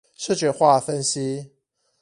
視覺化分析